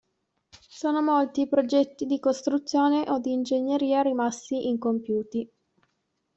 Sono molti i progetti di costruzione o di ingegneria rimasti incompiuti.